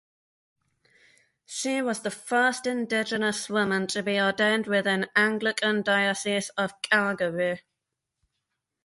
She was the first Indigenous woman to be ordained within Anglican Diocese of Calgary.